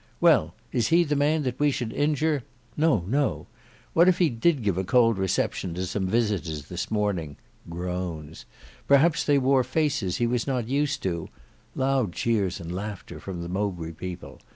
Well, is he the man that we should injure? ("No, no"). What if he did give a cold reception to some visitors this morning— —perhaps they wore faces he was not used to (loud cheers and laughter from the Mowbray people).